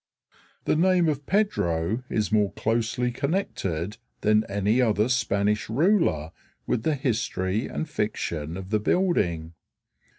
The name of Pedro is more closely connected than any other Spanish ruler with the history and fiction of the building.